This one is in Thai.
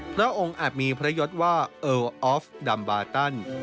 พระองค์อาจมีพระยศว่าเออออฟดัมบาตัน